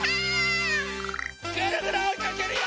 ぐるぐるおいかけるよ！